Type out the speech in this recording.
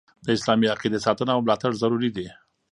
د اسلامي عقیدي ساتنه او ملاتړ ضروري دي.